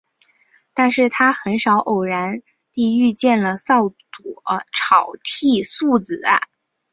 但是他很偶然地遇见了少佐草剃素子。